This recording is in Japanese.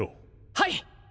はい！